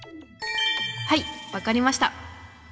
はい分かりました。